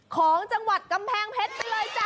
ของจังหวัดกำแพงเพชรไปเลยจ้ะ